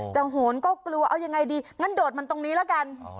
โหนก็กลัวเอายังไงดีงั้นโดดมันตรงนี้ละกัน